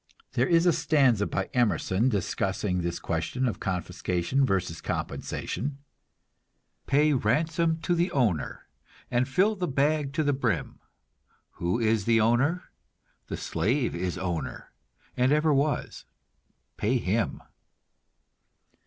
There is a stanza by Emerson discussing this question of confiscation versus compensation: Pay ransom to the owner And fill the bag to the brim. Who is the owner? The slave is owner, And ever was. Pay him.